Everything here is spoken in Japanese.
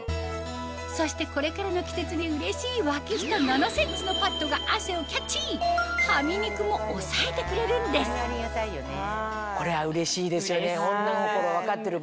そしてこれからの季節にうれしい脇下７ｃｍのパッドが汗をキャッチハミ肉もおさえてくれるんですこれはうれしいですよね。